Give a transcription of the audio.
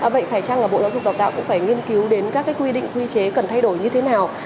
vậy phải chăng là bộ giáo dục đào tạo cũng phải nghiên cứu đến các quy định quy chế cần thay đổi như thế nào